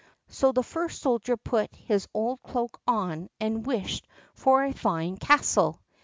So the first soldier put his old cloak on and wished for a fine castle.